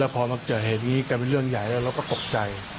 พอมาเจอเหตุงี้กันเป็นเรื่องใหญ่แล้วเป็นประตูกใจ